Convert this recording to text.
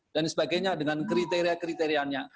dan sebagainya dengan kriteria kriterianya